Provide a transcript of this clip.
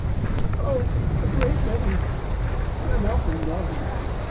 "Oh, a great many. I am often naughty.